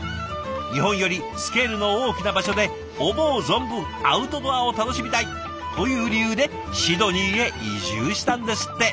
日本よりスケールの大きな場所で思う存分アウトドアを楽しみたい！という理由でシドニーへ移住したんですって。